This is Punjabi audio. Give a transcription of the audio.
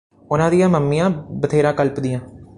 ਉਹਨਾਂ ਦੀਆਂ ਮੰਮੀਆਂ ਬਥੇਰਾ ਕਲਪਦੀਆਂ